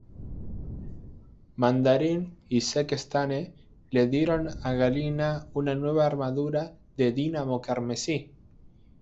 Mandarín y Zeke Stane le dieron a Galina una nueva armadura de Dínamo Carmesí.